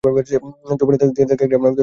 যৌবনে তিনি তাকে গ্রেগ নামে ডাকতে পছন্দ করতেন।